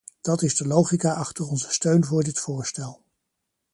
Dat is de logica achter onze steun voor dit voorstel.